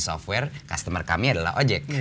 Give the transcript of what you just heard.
software customer kami adalah ojek